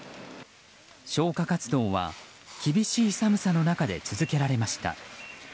消火活動は厳しい寒さの中で続けられました。